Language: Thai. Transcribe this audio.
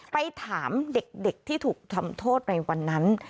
ไปถามเด็กที่ถูกทำโทษในวันนั้น